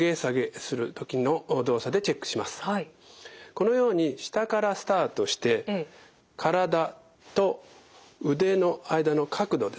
このように下からスタートして体と腕の間の角度ですね